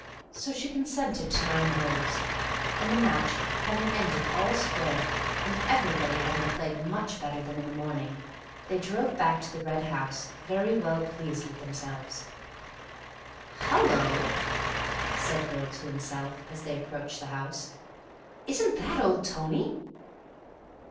So she consented to nine holes; and the match having ended all square, and everybody having played much better than in the morning, they drove back to the Red House, very well pleased with themselves. "Hallo," said Bill to himself, as they approached the house, "isn't that old Tony?"